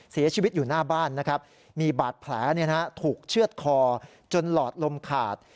เสียชีวิตอยู่หน้าบ้านนะครับมีบาดแผลถูกเชื่อดคอจนหลอดลมขาด